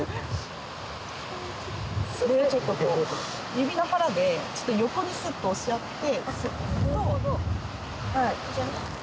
指の腹で横にスッと押してやって。